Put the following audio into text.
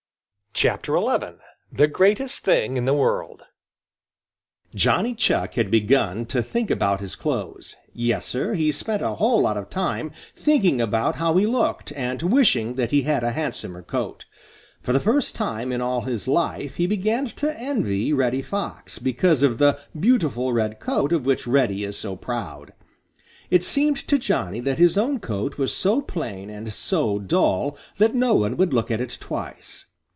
XI. THE GREATEST THING IN THE WORLD Johnny Chuck had begun to think about his clothes. Yes, Sir, he spent a whole lot of time thinking about how he looked and wishing that he had a handsomer coat. For the first time in all his life he began to envy Reddy Fox, because of the beautiful red coat of which Reddy is so proud. It seemed to Johnny that his own coat was so plain and so dull that no one would look at it twice.